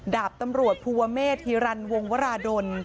ดาบตำรวจภูวะเมฆฮีรันวงวราดล